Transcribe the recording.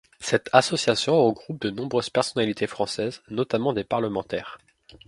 Cette association regroupe de nombreuses personnalités françaises, notamment des parlementaires.